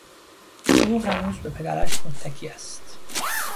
او هنوز به پدرش متکی است.